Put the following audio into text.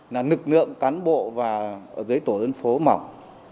nước lượng cán bộ và ở dưới tổ dân phố mỏng